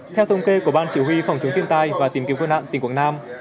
theo thông kê của ban chỉ huy phòng chống thiên tai và tìm kiếm cứu nạn tỉnh quảng nam